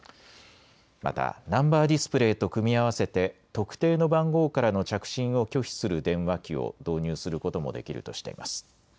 またナンバー・ディスプレイと組み合わせて特定の番号からの着信を拒否する電話機を導入することもできるとしています。